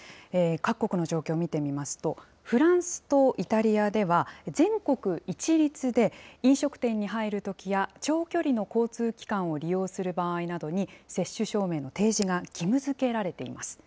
各国の状況見てみますと、フランスとイタリアでは、全国一律で、飲食店に入るときや、長距離の交通機関を利用する場合などに、接種証明の提示が義務づけられています。